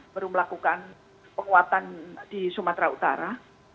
baru melakukan penguatan di sumatera utara